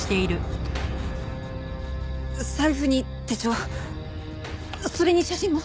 財布に手帳それに写真も！